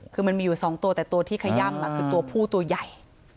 คือมันมีอยู่๒ตัวแต่ตัวที่ขย่ำคือตัวผู้ตัวใหญ่